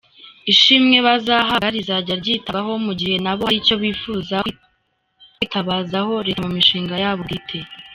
Ishimwe bazahabwa rizajya ryitabwaho mugihe nabo haricyo bifuza kwitabazaho leta mumishinga yabo bwite.